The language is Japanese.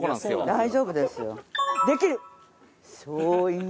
大丈夫ですよ。